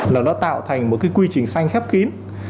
nó tạo thành một quy trình xanh khép kín